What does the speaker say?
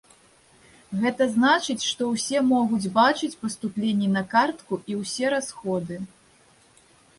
Гэта значыць, што ўсе могуць бачыць паступленні на картку і ўсе расходы.